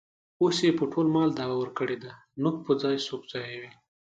اوس یې په ټول مال دعوه ورکړې ده. د نوک په ځای سوک ځایوي.